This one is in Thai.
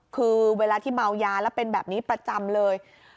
คือเวลาที่เมายาแล้วเป็นแบบนี้ประจำเลย